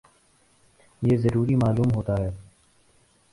یہ ضروری معلوم ہوتا ہے